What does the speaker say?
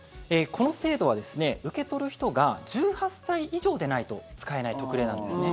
この制度は受け取る人が１８歳以上でないと使えない特例なんですね。